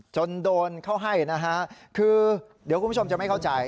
จนโดนเข้าให้นะฮะคือเดี๋ยวคุณผู้ชมจะไม่เข้าใจ